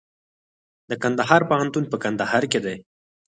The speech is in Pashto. د کندهار پوهنتون په کندهار کې دی